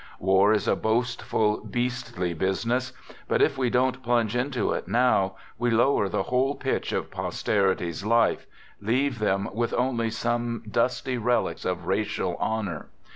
War is a boastful, beastly business; but if we don't plunge into it now, we lower the whole pitch of posterity's life, leave them with only some dusty relics of racial honor.